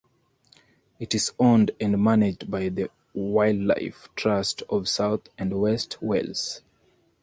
It is owned and managed by the Wildlife Trust of South and West Wales.